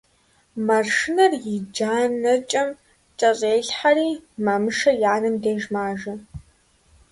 Маршынэр и джанэкӀэм кӀэщӀелъхьэри Мамышэ и анэм деж мажэ.